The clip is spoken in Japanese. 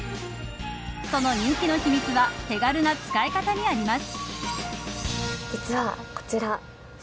その人気の秘密は手軽な使い方にあります。